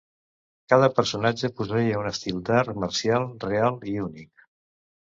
Cada personatge posseïa un estil d'art marcial real i únic.